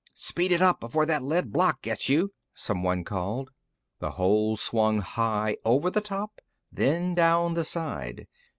"Speed it up, before that lead block gets you," someone called. The hole swung high, over the top, then down the side.